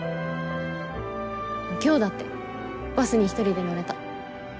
今日だってバスに１人で乗れた。